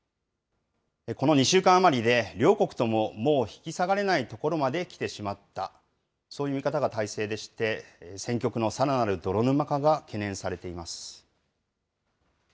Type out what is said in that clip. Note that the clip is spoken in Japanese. この２週間余りで、両国とも、もう引き下がれない所まで来てしまった、そういう見方が大勢でして、戦局のさらなる泥沼化が懸念されています。